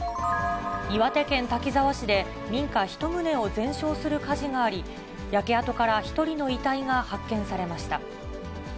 岩手県滝沢市で、民家１棟を全焼する火事があり、焼け跡から１人の遺体が発見されました。